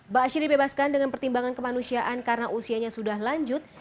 ba'asyir dibebaskan dengan pertimbangan kemanusiaan karena usianya sudah lanjut